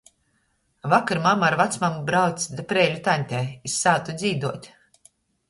Vakar mama ar vacmamu brauce da Preiļu taņtei iz sātu dzīduot.